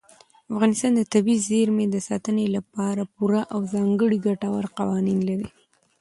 افغانستان د طبیعي زیرمې د ساتنې لپاره پوره او ځانګړي ګټور قوانین لري.